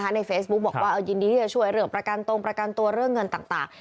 ในเฟซบุ๊กบอกว่ายินดีที่จะช่วยเรื่องประกันตรงประกันตัวเรื่องเงินต่าง